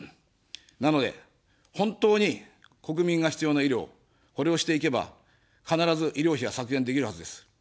なので本当に国民が必要な医療、これをしていけば、必ず医療費は削減できるはずです。